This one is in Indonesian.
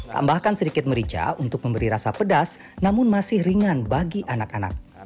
tambahkan sedikit merica untuk memberi rasa pedas namun masih ringan bagi anak anak